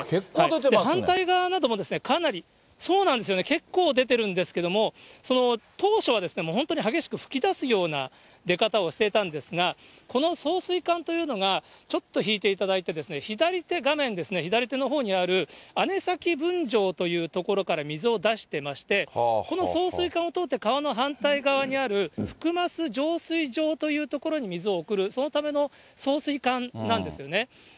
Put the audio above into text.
反対側などもかなり、そうなんですよね、結構出てるんですけども、当初はもう本当に激しく噴き出すような出方をしてたんですが、この送水管というのが、ちょっと引いていただいて、左手、画面左手のほうにある、姉崎ぶんじょうというところから水を出してまして、この送水管を通って、川の反対側にある、ふくます浄水場というところに水を送る、そのための送水管なんですよね。